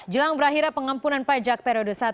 jelang berakhir pengampunan pajak periodis